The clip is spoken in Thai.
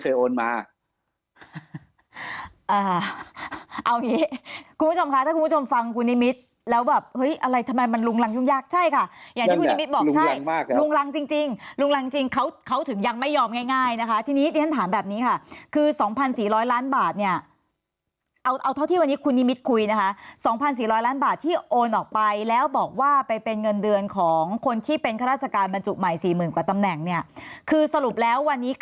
อย่างที่คุณนิมิตรบอกใช่ลุงรังมากครับลุงรังจริงจริงลุงรังจริงเขาเขาถึงยังไม่ยอมง่ายง่ายนะคะทีนี้ท่านถามแบบนี้ค่ะคือสองพันสี่ร้อยล้านบาทเนี่ยเอาเอาเท่าที่วันนี้คุณนิมิตรคุยนะคะสองพันสี่ร้อยล้านบาทที่โอนออกไปแล้วบอกว่าไปเป็นเงินเดือนของคนที่เป็นข้าราชการบรรจุใหม่สี่หมื่นกว่าตำแ